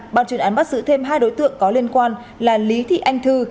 bàn truyền án bắt giữ thêm hai đối tượng có liên quan là lý thị anh thư